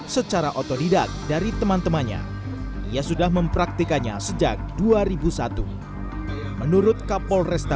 secara otodidak dari teman temannya ia sudah mempraktikannya sejak dua ribu satu menurut kapolresta